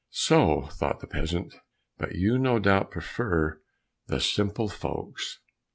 So thought the peasant, but you no doubt prefer the simple folks.